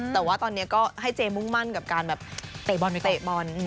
แต่ว่าตอนนี้ก็ให้เจมุ่งมั่นกับการแบบเตะบอลไปเตะบอล